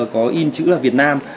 có in chữ là việt nam